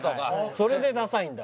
それでダサいんだ。